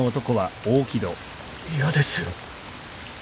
嫌ですよ。